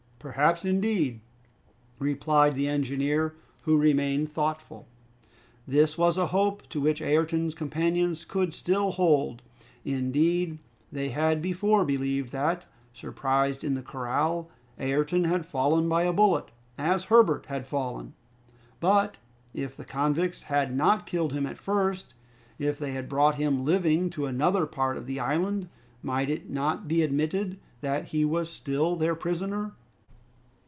"Perhaps, indeed," replied the engineer, who remained thoughtful. This was a hope, to which Ayrton's companions could still hold. Indeed, they had before believed that, surprised in the corral, Ayrton had fallen by a bullet, as Herbert had fallen. But if the convicts had not killed him at first, if they had brought him living to another part of the island, might it not be admitted that he was still their prisoner?